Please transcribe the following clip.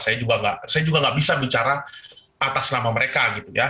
saya juga enggak bisa bicara atas nama mereka gitu ya